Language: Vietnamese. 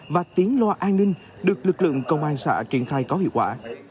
và tiếng loa an ninh được lực lượng công an xã triển khai có hiệu quả